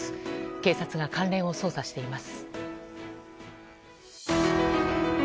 警察が関連を捜査しています。